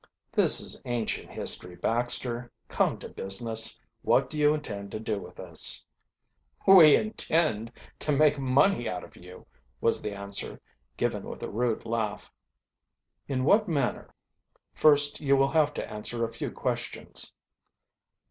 "This is ancient history, Baxter. Come to business. What do you intend to do with us?" "We intend to make money out of you," was the answer, given with a rude laugh. "In what manner?" "First you will have to answer a few questions."